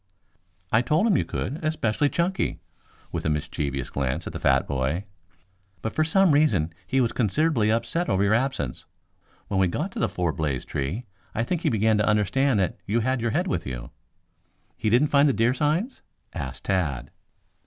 "I told him you could, especially Chunky," with a mischievous glance at the fat boy. "But for some reason he was considerably upset over your absence. When we got to the four blaze tree, I think he began to understand that you had your head with you." "He didn't find the deer signs?" asked Tad.